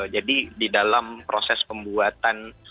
jadi di dalam proses pembuatan